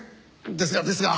ですがですが